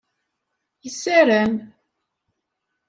Yessaram.